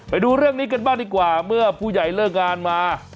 ไปดูเรื่องนี้กันบ้างดีกว่าเมื่อผู้ใหญ่เลิกงานมา